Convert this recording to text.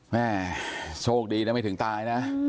แม่โชคดีนะไม่ถึงตายนะ